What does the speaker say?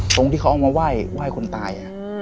ตรงที่เขาเอามาไหว้คนตาย